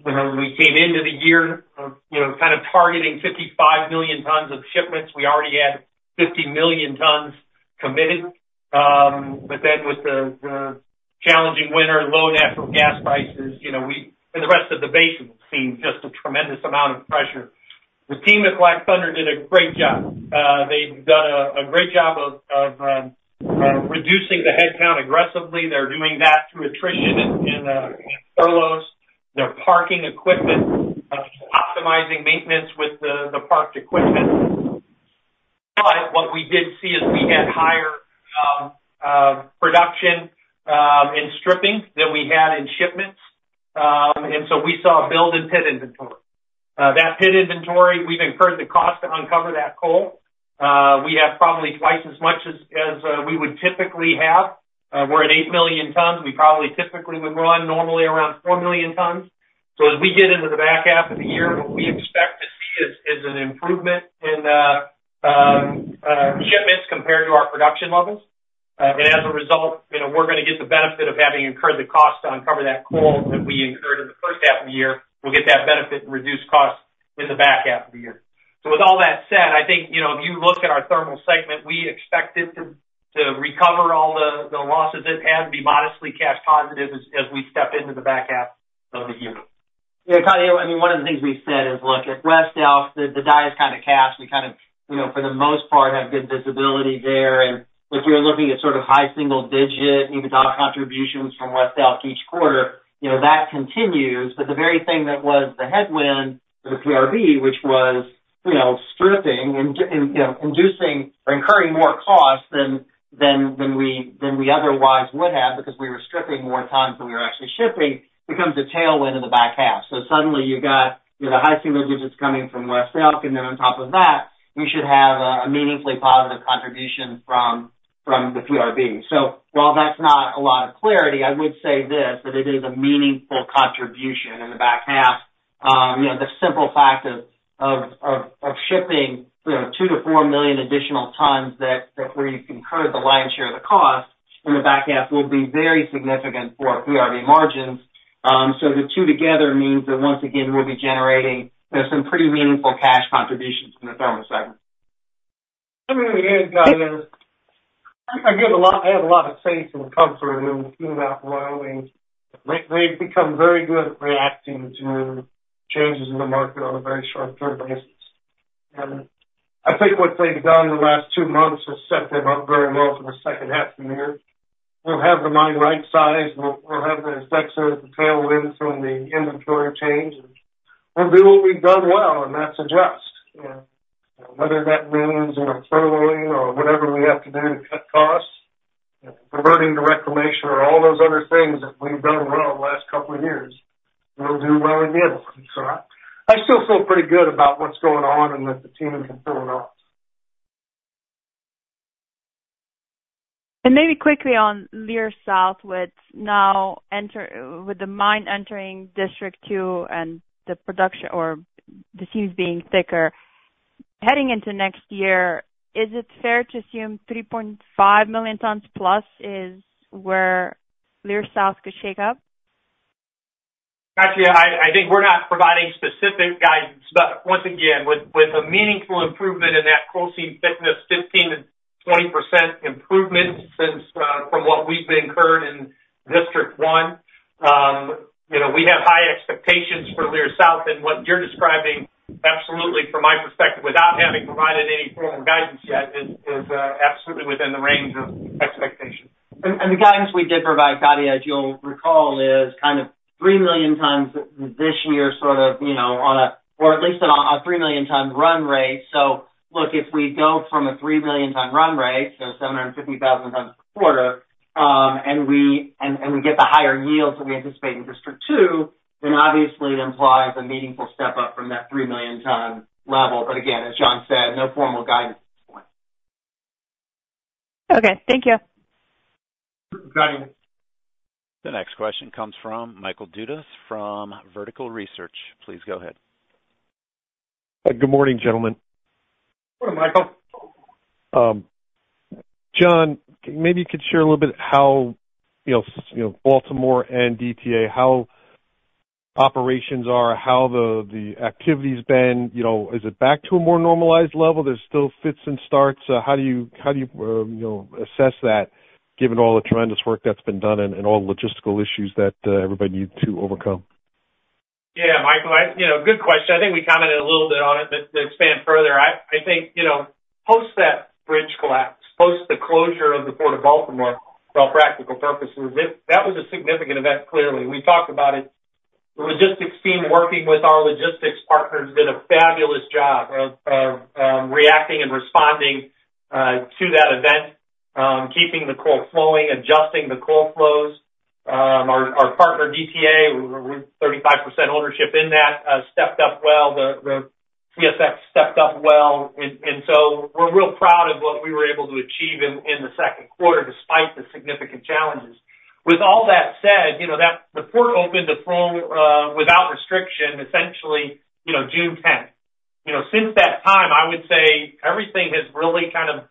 When we came into the year kind of targeting 55 million tons of shipments, we already had 50 million tons committed. But then with the challenging winter, low natural gas prices, and the rest of the basin seemed just a tremendous amount of pressure. The team at Black Thunder did a great job. They've done a great job of reducing the headcount aggressively. They're doing that through attrition and furloughs. They're parking equipment, optimizing maintenance with the parked equipment. But what we did see is we had higher production in stripping than we had in shipments. And so we saw a buildup in pit inventory. That pit inventory, we've incurred the cost to uncover that coal. We have probably twice as much as we would typically have. We're at 8 million tons. We probably typically would run normally around 4 million tons. So as we get into the back half of the year, what we expect to see is an improvement in shipments compared to our production levels. And as a result, we're going to get the benefit of having incurred the cost to uncover that coal that we incurred in the first half of the year. We'll get that benefit and reduce costs in the back half of the year. So with all that said, I think if you look at our thermal segment, we expect it to recover all the losses it had and be modestly cash positive as we step into the back half of the year. Yeah. I mean, one of the things we've said is, look, at West Elk, the die is kind of cast. We kind of, for the most part, have good visibility there. And if you're looking at sort of high single-digit EBITDA contributions from West Elk each quarter, that continues. But the very thing that was the headwind for the PRB, which was stripping and incurring more costs than we otherwise would have because we were stripping more times than we were actually shipping, becomes a tailwind in the back half. So suddenly, you've got the high single digits coming from West Elk, and then on top of that, we should have a meaningfully positive contribution from the PRB. So while that's not a lot of clarity, I would say this, that it is a meaningful contribution in the back half. The simple fact of shipping 2-4 million additional tons that we've incurred the lion's share of the cost in the back half will be very significant for PRB margins. So the two together means that, once again, we'll be generating some pretty meaningful cash contributions in the thermal segment. I mean, again, I have a lot of faith and comfort in the thermal team. They've become very good at reacting to changes in the market on a very short-term basis. And I think what they've done in the last two months has set them up very well for the second half of the year. We'll have the mine right-sized. We'll have the effects of the tailwind from the inventory change. We'll do what we've done well, and that's the gist. Whether that means furloughing or whatever we have to do to cut costs, diverting to reclamation, or all those other things that we've done well the last couple of years, we'll do well again. So I still feel pretty good about what's going on and that the team has been pulling off. Maybe quickly on Leer South, with the mine entering District 2 and the production or the seams being thicker, heading into next year, is it fair to assume 3.5+ million tons is where Leer South could shake up? Actually, I think we're not providing specific guidance, but once again, with a meaningful improvement in that coal seam thickness, 15%-20% improvement from what we've incurred in District 1, we have high expectations for Leer South. And what you're describing, absolutely, from my perspective, without having provided any formal guidance yet, is absolutely within the range of expectation. And the guidance we did provide, Katja, as you'll recall, is kind of 3 million tons this year sort of on a, or at least a 3 million ton run rate. So look, if we go from a 3 million ton run rate, so 750,000 tons per quarter, and we get the higher yields that we anticipate in District 2, then obviously, it implies a meaningful step up from that 3 million ton level. But again, as John said, no formal guidance at this point. Okay. Thank you. Got it. The next question comes from Michael Dudas from Vertical Research. Please go ahead. Good morning, gentlemen. Morning, Michael. John, maybe you could share a little bit how Baltimore and DTA, how operations are, how the activity's been. Is it back to a more normalized level? There's still fits and starts. How do you assess that, given all the tremendous work that's been done and all the logistical issues that everybody needs to overcome? Yeah, Michael, good question. I think we commented a little bit on it, but to expand further, I think post that bridge collapse, post the closure of the Port of Baltimore, for all practical purposes, that was a significant event, clearly. We talked about it. The logistics team working with our logistics partners did a fabulous job of reacting and responding to that event, keeping the coal flowing, adjusting the coal flows. Our partner DTA, with 35% ownership in that, stepped up well. The CSX stepped up well. And so we're real proud of what we were able to achieve in the second quarter, despite the significant challenges. With all that said, the port opened the flow without restriction, essentially June 10th. Since that time, I would say everything has really kind of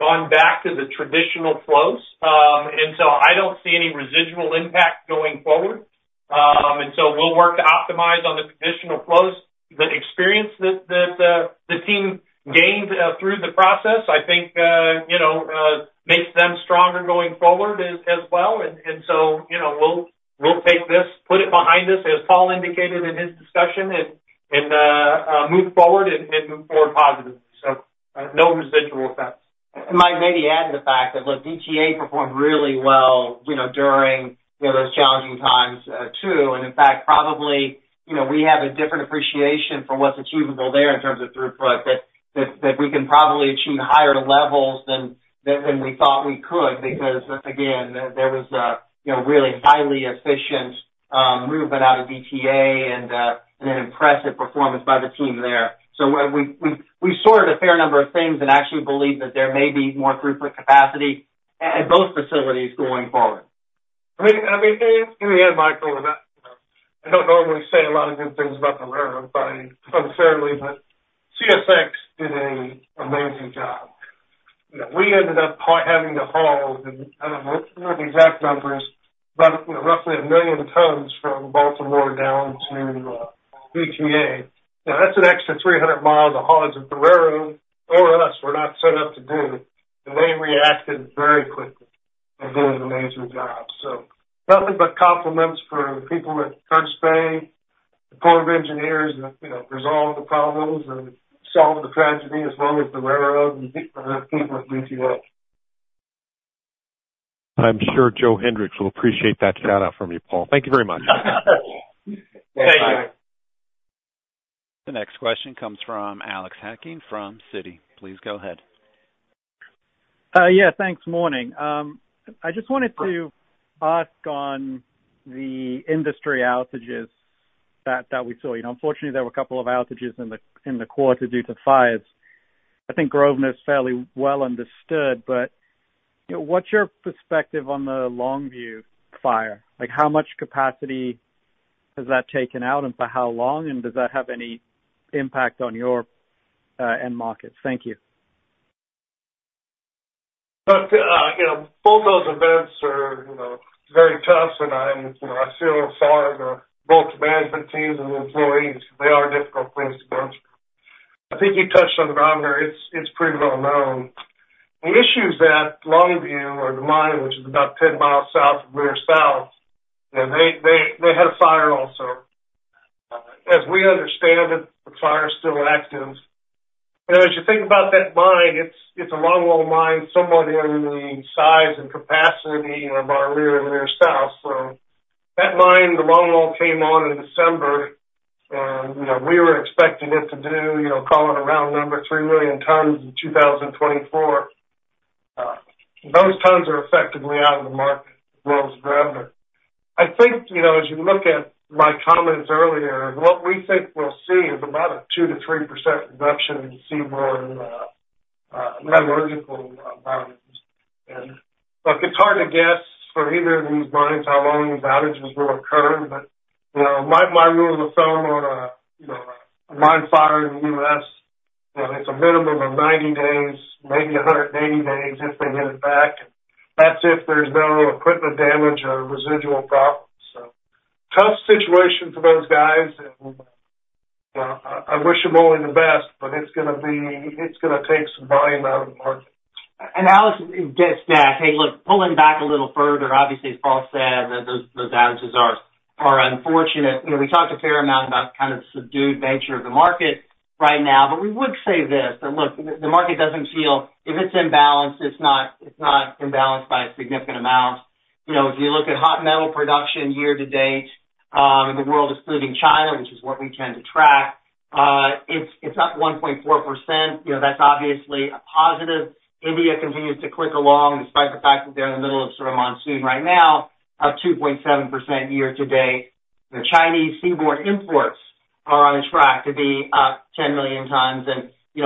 gone back to the traditional flows. And so I don't see any residual impact going forward. And so we'll work to optimize on the traditional flows. The experience that the team gained through the process, I think, makes them stronger going forward as well. And so we'll take this, put it behind us, as Paul indicated in his discussion, and move forward and move forward positively. So no residual effects. And Mike, maybe adding the fact that, look, DTA performed really well during those challenging times too. And in fact, probably we have a different appreciation for what's achievable there in terms of throughput, that we can probably achieve higher levels than we thought we could because, again, there was a really highly efficient movement out of DTA and an impressive performance by the team there. So we've sorted a fair number of things and actually believe that there may be more throughput capacity at both facilities going forward. I mean, in the end, Michael, I don't normally say a lot of good things about the rail, unfairly, but CSX did an amazing job. We ended up having to haul, and I don't know the exact numbers, but roughly 1 million tons from Baltimore down to DTA. Now, that's an extra 300 miles of haulage over the rail for us. We're not set up to do. And they reacted very quickly and did an amazing job. So nothing but compliments for the people at Curtis Bay, the Corps of Engineers that resolved the problems and solved the tragedy as well as the rail and the people at DTA. I'm sure Joe Hinrichs will appreciate that shout-out from you, Paul. Thank you very much. Thank you. The next question comes from Alex Hacking from Citi. Please go ahead. Yeah, thanks. Morning. I just wanted to ask on the industry outages that we saw. Unfortunately, there were a couple of outages in the quarter due to fires. I think Oak Grove's fairly well understood, but what's your perspective on the Longview fire? How much capacity has that taken out and for how long? And does that have any impact on your end markets? Thank you. Look, both those events are very tough, and I feel as far as both the management teams and the employees, they are difficult things to go through. I think you touched on Oak Grove here. It's pretty well known. The issue is that Longview or the mine, which is about 10 miles south of Leer South, they had a fire also. As we understand it, the fire is still active. And as you think about that mine, it's a longwall mine somewhat in the size and capacity of our Leer and Leer South. So that mine, the longwall came on in December, and we were expecting it to do, call it around 3 million tons in 2024. Those tons are effectively out of the market as well as Oak Grove. I think as you look at my comments earlier, what we think we'll see is about a 2%-3% reduction in seaborne metallurgical volumes. And look, it's hard to guess for either of these mines how long these outages will occur, but my rule of thumb on a mine fire in the U.S., it's a minimum of 90 days, maybe 180 days if they get it back. And that's if there's no equipment damage or residual problems. So tough situation for those guys, and I wish them all the best, but it's going to take some volume out of the market. Alex gets back. Hey, look, pulling back a little further, obviously, as Paul said, those outages are unfortunate. We talked a fair amount about kind of the subdued nature of the market right now, but we would say this, that look, the market doesn't feel if it's imbalanced, it's not imbalanced by a significant amount. If you look at hot metal production year to date, the world excluding China, which is what we tend to track, it's up 1.4%. That's obviously a positive. India continues to click along despite the fact that they're in the middle of sort of a monsoon right now, up 2.7% year to date. Chinese seaborne imports are on track to be up 10 million tons. And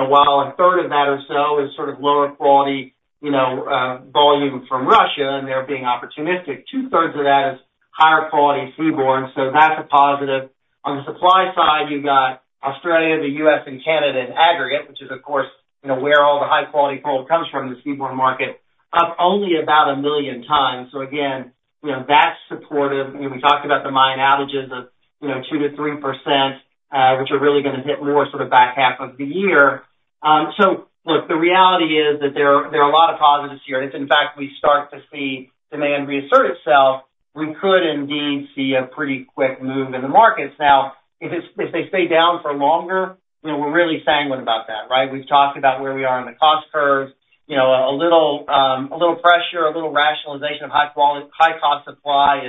while a third of that or so is sort of lower quality volume from Russia, and they're being opportunistic, 2/3 of that is higher quality seaborne. That's a positive. On the supply side, you've got Australia, the U.S., and Canada in aggregate, which is, of course, where all the high-quality coal comes from, the seaborne market, up only about 1 million tons. Again, that's supportive. We talked about the mine outages of 2%-3%, which are really going to hit more sort of back half of the year. Look, the reality is that there are a lot of positives here. And if, in fact, we start to see demand reassert itself, we could indeed see a pretty quick move in the markets. Now, if they stay down for longer, we're really sanguine about that, right? We've talked about where we are on the cost curve. A little pressure, a little rationalization of high-cost supply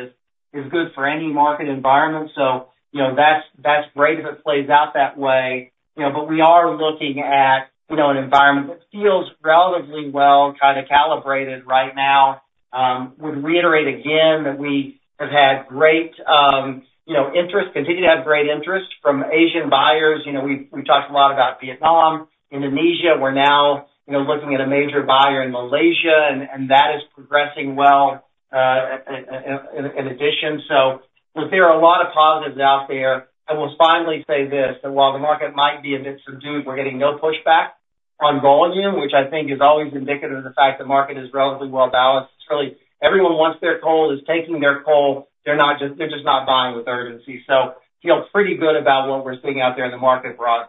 is good for any market environment. That's great if it plays out that way. But we are looking at an environment that feels relatively well kind of calibrated right now. Would reiterate again that we have had great interest, continue to have great interest from Asian buyers. We've talked a lot about Vietnam, Indonesia. We're now looking at a major buyer in Malaysia, and that is progressing well in addition. So look, there are a lot of positives out there. I will finally say this: that while the market might be a bit subdued, we're getting no pushback on volume, which I think is always indicative of the fact the market is relatively well balanced. It's really everyone wants their coal, is taking their coal. They're just not buying with urgency. So feel pretty good about what we're seeing out there in the market broadly.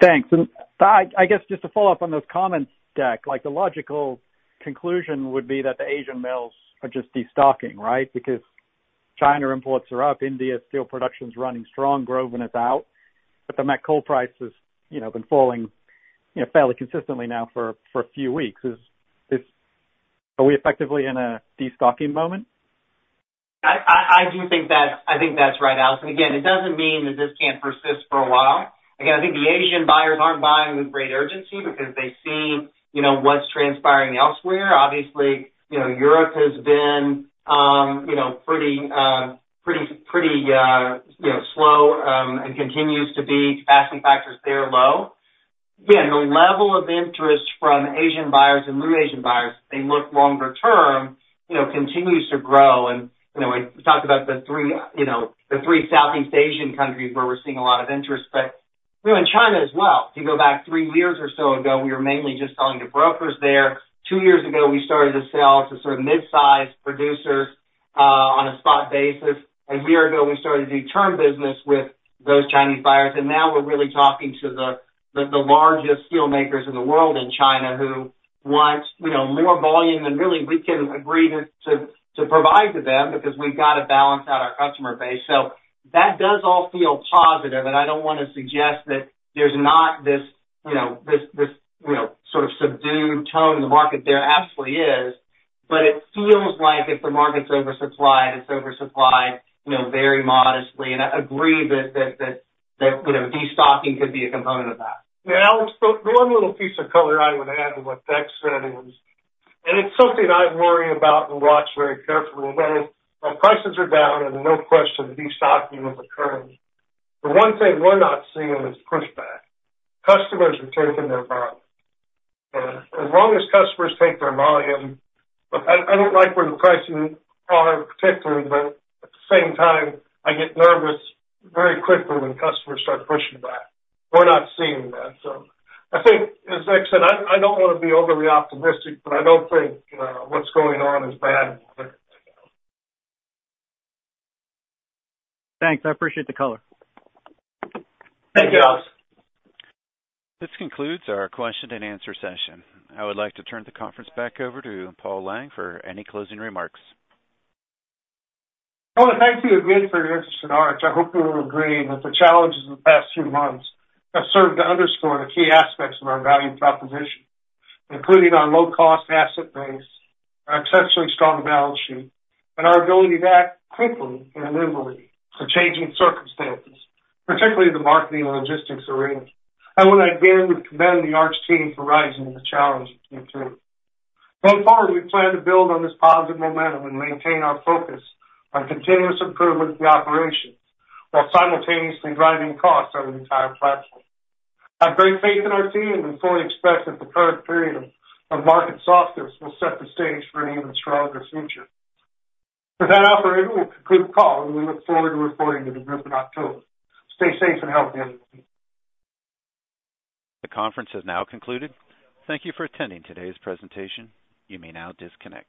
Thanks. I guess just to follow up on those comments, Deck, the logical conclusion would be that the Asian mills are just destocking, right? Because China imports are up, India's steel production is running strong, Oak Grove is out, but the met coal price has been falling fairly consistently now for a few weeks. Are we effectively in a destocking moment? I do think that's right, Alex. Again, it doesn't mean that this can't persist for a while. Again, I think the Asian buyers aren't buying with great urgency because they see what's transpiring elsewhere. Obviously, Europe has been pretty slow and continues to be. Capacity factors there are low. Again, the level of interest from Asian buyers and new Asian buyers, they look longer term, continues to grow. We talked about the three Southeast Asian countries where we're seeing a lot of interest, but in China as well. If you go back three years or so ago, we were mainly just selling to brokers there. Two years ago, we started to sell to sort of mid-sized producers on a spot basis. A year ago, we started to do term business with those Chinese buyers. Now we're really talking to the largest steelmakers in the world in China who want more volume than really we can agree to provide to them because we've got to balance out our customer base. So that does all feel positive. I don't want to suggest that there's not this sort of subdued tone in the market, there actually is, but it feels like if the market's oversupplied, it's oversupplied very modestly. I agree that destocking could be a component of that. Yeah, Alex, the one little piece of color I would add to what Deck said is, and it's something I worry about and watch very carefully, that prices are down and no question destocking is occurring. The one thing we're not seeing is pushback. Customers are taking their volume. And as long as customers take their volume, look, I don't like where the prices are particularly, but at the same time, I get nervous very quickly when customers start pushing back. We're not seeing that. So I think, as Deck said, I don't want to be overly optimistic, but I don't think what's going on is bad in the market right now. Thanks. I appreciate the color. Thank you, Alex. This concludes our question and answer session. I would like to turn the conference back over to Paul Lang for any closing remarks. I want to thank you again for your interest in Arch. I hope you will agree that the challenges in the past few months have served to underscore the key aspects of our value proposition, including our low-cost asset base, our exceptionally strong balance sheet, and our ability to act quickly and nimbly for changing circumstances, particularly in the marketing and logistics arena. I want to again commend the Arch team for rising to the challenge of Q2. Going forward, we plan to build on this positive momentum and maintain our focus on continuous improvement of the operations while simultaneously driving costs on the entire platform. I have great faith in our team and fully expect that the current period of market softness will set the stage for an even stronger future. With that, I'll formally conclude the call, and we look forward to reporting to the group in October. Stay safe and healthy everyone. The conference has now concluded. Thank you for attending today's presentation. You may now disconnect.